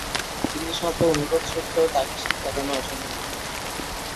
তিনি শত অনুরোধ সত্ত্বেও তাকে শিক্ষাদানে অসম্মত হন।